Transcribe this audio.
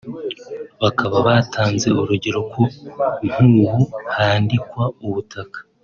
bakaba batanze urugero ko nk’ubu handikwa ubutaka